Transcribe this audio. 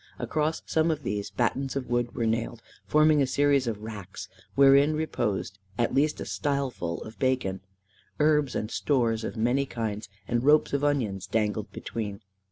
Across some of these, battens of wood were nailed, forming a series of racks, wherein reposed at least a stye ful of bacon. Herbs and stores of many kinds, and ropes of onions dangled between.